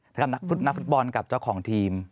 นักฟุตนักฟุตบอลกับเจ้าของทีม